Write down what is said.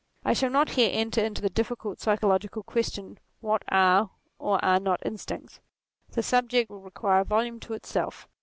I shall not here enter into the difficult psychological question, what are, or are not instincts : the subject would require a volume to itself.